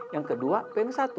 yang kedua pengen satu